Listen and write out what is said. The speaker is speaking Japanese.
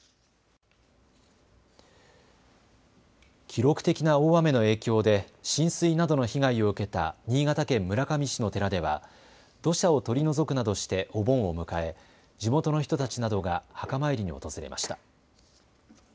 記録的な大雨の影響で浸水などの被害を受けた新潟県村上市の寺では土砂を取り除くなどしてお盆を迎え、地元の人たちなどが墓参りに訪れました。